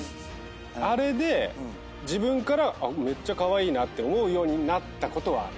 あれで自分からあっめっちゃカワイイなって思うようになったことはある。